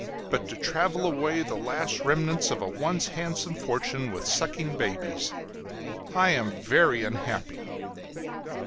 But to travel away the last remnants of a once handsome fortune with sucking babies! I am very unhappy!